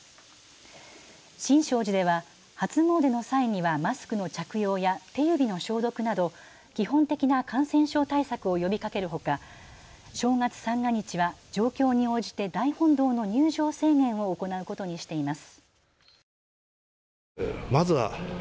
新勝寺では初詣の際にはマスクの着用や手指の消毒など基本的な感染症対策を呼びかけるほか、正月三が日は状況に応じて大本堂の入場制限を行うことにしています。